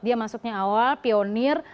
dia masuknya awal pionir